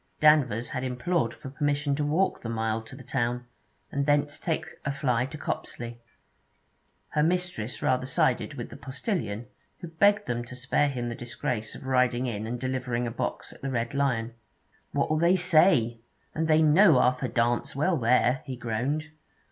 Danvers had implored for permission to walk the mile to the town, and thence take a fly to Copsley. Her mistress rather sided with the postillion; who begged them to spare him the disgrace of riding in and delivering a box at the Red Lion. 'What'll they say? And they know Arthur Dance well there,' he groaned.